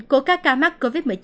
của các ca mắc covid một mươi chín